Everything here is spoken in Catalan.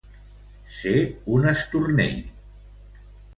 Ser un estornell.